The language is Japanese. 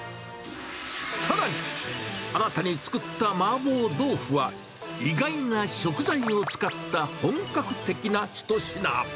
さらに、新たに作ったマーボー豆腐は意外な食材を使った本格的な一品。